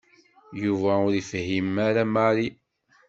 Yuba ur ifehhem ara Mary.